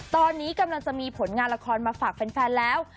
ตอนนี้กำลังจะมีผลงานละครมาฝากแฟนแล้ว